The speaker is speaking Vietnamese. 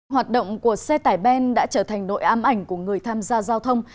hoạt động của xe tải ben đã trở thành nội am ảnh của người tham gia giao thông